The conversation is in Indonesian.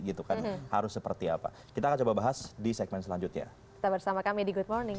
gitu kan harus seperti apa kita akan coba bahas di segmen selanjutnya kita bersama kami di good morning